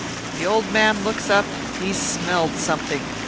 The old man looks up he's smelled something.